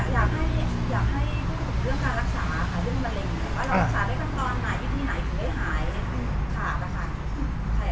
อยากให้คุณผู้ชมเรื่องการรักษาเรื่องมันหลาย